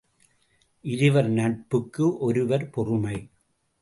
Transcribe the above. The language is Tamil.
இருவர் நட்புக்கு ஒருவர் பொறுமை.